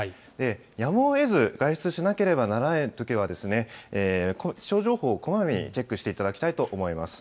やむをえず外出しなければならないときは、気象情報をこまめにチェックしていただきたいと思います。